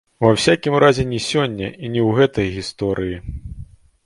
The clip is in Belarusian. Ва ўсякім разе не сёння і не ў гэтай гісторыі.